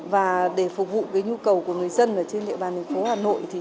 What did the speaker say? và để phục vụ nhu cầu của người dân trên địa bàn thành phố hà nội